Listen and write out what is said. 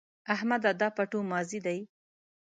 احمده! دا پټو لمانځي دی؟